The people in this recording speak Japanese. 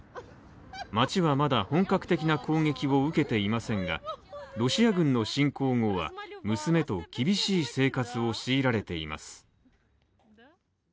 街はまだ本格的な攻撃を受けていませんがロシア軍の侵攻後は娘と厳しい生活を強いられています。